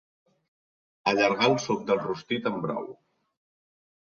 Allargar el suc del rostit amb brou.